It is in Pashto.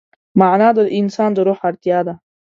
معنی د انسان د روح اړتیا ده.